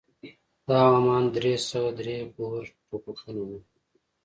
دا همان درې سوه درې بور ټوپکونه وو.